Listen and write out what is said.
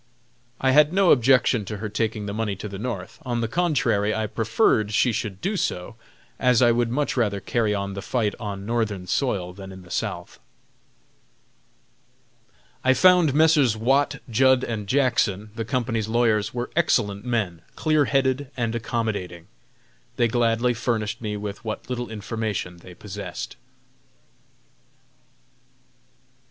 I had no objections to her taking the money to the North. On the contrary, I preferred she should do so, as I would much rather carry on the fight on Northern soil than in the South. I found Messrs. Watts, Judd & Jackson, the company's lawyers, were excellent men, clear headed and accommodating. They gladly furnished me with what little information they possessed.